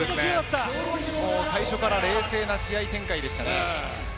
最初から冷静な試合展開でしたね。